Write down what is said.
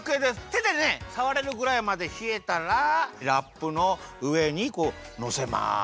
てでねさわれるぐらいまでひえたらラップのうえにのせます。